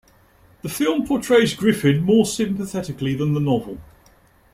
The film portrays Griffin more sympathetically than the novel.